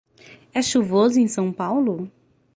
É chuvoso em São Paulo?